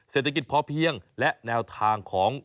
เกษตรพอเพียงและแนวทางของ